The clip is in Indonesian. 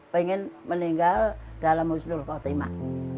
pengen meninggal dalam husnul khotimah